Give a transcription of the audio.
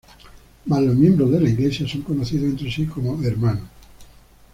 Mas los miembros de la iglesia son conocidos entre sí como hermanos.